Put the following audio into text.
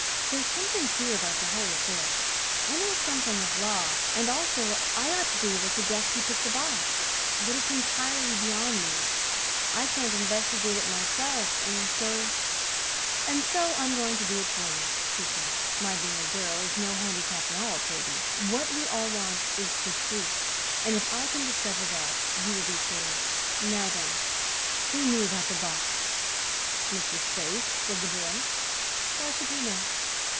There's something queer about the whole affair. I know something of law and also I ought to be able to guess who took the box; but it's entirely beyond me. I can't investigate it myself, and so " "And so I'm going to do it for you," she said. "My being a girl is no handicap at all, Toby. What we all want is the truth, and if I can discover that, you will be saved. Now, then, who knew about the box?" "Mr. Spaythe," said the boy. "Why should he know?"